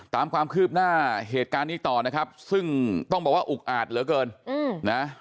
ตามความคืบหน้าเหตุการณ์นี้ต่อนะครับซึ่งต้องบอกว่าอุกอาจเหลือเกินนะ